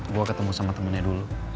gue ketemu sama temennya dulu